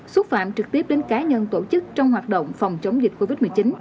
xúc phạm trực tiếp đến cá nhân tổ chức trong hoạt động phòng chống dịch covid một mươi chín